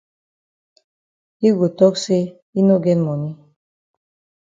Yi go tok say yi no get moni.